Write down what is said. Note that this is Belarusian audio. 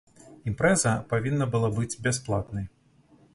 Імпрэза павінна была быць бясплатнай.